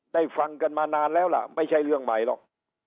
ฟังกันมานานแล้วล่ะไม่ใช่เรื่องใหม่หรอก